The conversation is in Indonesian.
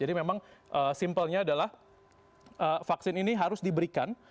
jadi memang simpelnya adalah vaksin ini harus diberikan